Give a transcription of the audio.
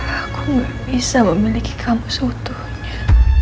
aku gak bisa memiliki kamu sebetulnya